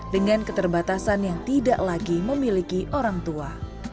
dengan keterbatasan yang tidak lagi memiliki orang tua